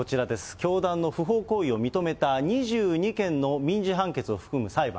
教団の不法行為を認めた２２件の民事判決を含む裁判。